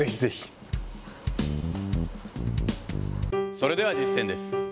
それでは実践です。